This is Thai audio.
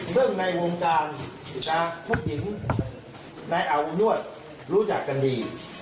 ซึ่งในวงการผู้หญิงในอาบนวดรู้จักกันดี